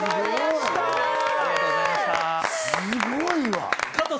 すごいわ！